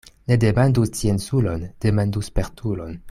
Ne demandu scienculon, demandu spertulon.